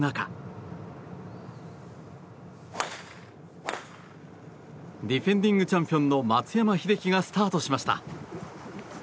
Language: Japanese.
大勢のギャラリーが見守る中ディフェンディングチャンピオンの松山英樹がスタートしました。